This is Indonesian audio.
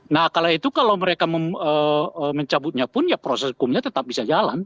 nah kalau itu kalau mereka mencabutnya pun ya proses hukumnya tetap bisa jalan